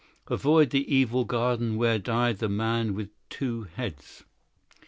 Avoid the evil garden where died the man with two heads."